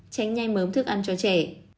tránh nhai mớm thức ăn cho trẻ